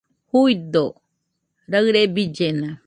Juido, raɨre billena